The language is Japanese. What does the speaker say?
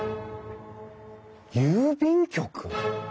郵便局！？